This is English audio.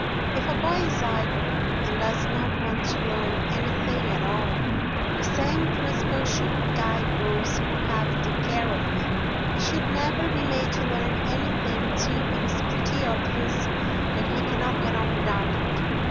If a boy is idle and does not want to learn anything at all, the same principle should guide those who have the care of him—he should never be made to learn anything till it is pretty obvious that he cannot get on without it.